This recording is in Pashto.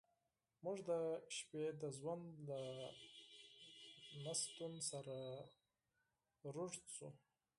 موږ د شپې د ژوند له نشتون سره عادت شو